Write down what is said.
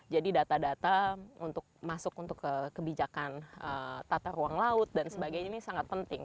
jadi data data untuk masuk ke kebijakan tata ruang laut dan sebagainya ini sangat penting